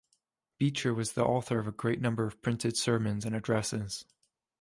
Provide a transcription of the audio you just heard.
Beecher was the author of a great number of printed sermons and addresses.